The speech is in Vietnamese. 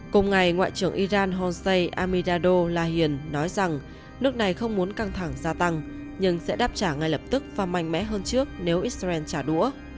cùng ngày ngoại trưởng iran hosse amidado lahian nói rằng nước này không muốn căng thẳng gia tăng nhưng sẽ đáp trả ngay lập tức và mạnh mẽ hơn trước nếu israel trả đũa